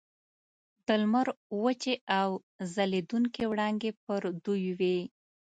د لمر وچې او ځلیدونکي وړانګې پر دوی وې.